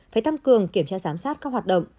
phải tăng cường kiểm tra giám sát các hoạt động